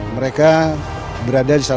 mereka berada di lebanon